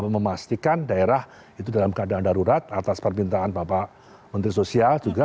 memastikan daerah itu dalam keadaan darurat atas permintaan bapak menteri sosial juga